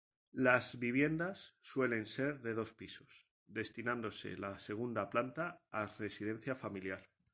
Las viviendas suelen ser de dos pisos, destinándose la segunda planta a residencia familiar.